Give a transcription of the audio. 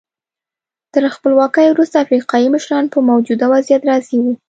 تر خپلواکۍ وروسته افریقایي مشران په موجوده وضعیت راضي وو.